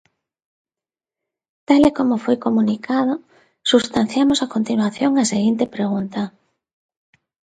Tal e como foi comunicado, substanciamos a continuación a seguinte pregunta.